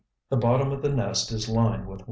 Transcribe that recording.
The bottom of the nest is lined with wool.